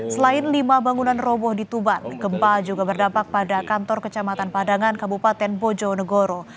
selain lima bangunan roboh di tuban gempa juga berdampak pada kantor kecamatan padangan kabupaten bojonegoro